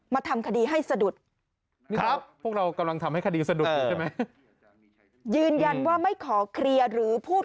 มาทำคดีให้สะดุด